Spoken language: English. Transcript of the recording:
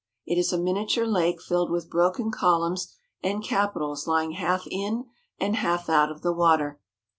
It is a miniature lake filled with broken columns and capitals lying half in and half out of the water.